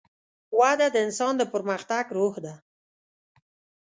وده د انسان د پرمختګ روح ده.